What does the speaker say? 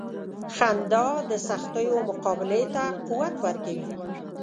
• خندا د سختیو مقابلې ته قوت ورکوي.